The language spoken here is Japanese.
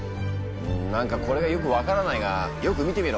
何かこれがよく分からないがよく見てみろ。